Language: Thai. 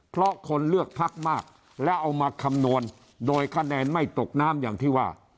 เพราะคนเลือกพักมากแล้วเอามาคำนวณโดยคะแนนไม่ตกน้ำอย่างที่ว่า